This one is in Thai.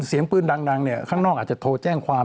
เสียงปืนดังเนี่ยข้างนอกอาจจะโทรแจ้งความ